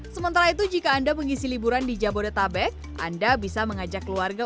sementara itu jika anda mengisi liburan di jabodetabek anda bisa mengajak keluarga